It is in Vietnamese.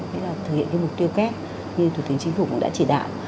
nghĩa là thực hiện cái mục tiêu kép như thủ tướng chính phủ cũng đã chỉ đạo